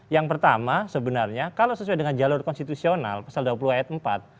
yang pertama sebenarnya kalau sesuai dengan jalur konstitusional pasal dua puluh ayat empat